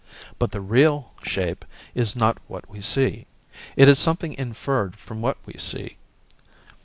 But the 'real' shape is not what we see; it is something inferred from what we see.